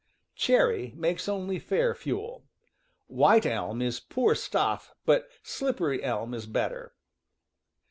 Cherry makes only fair fuel. White elm is poor stuff, but slippery elm is better.